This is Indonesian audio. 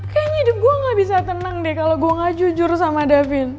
kayaknya gue gak bisa tenang deh kalau gue gak jujur sama davin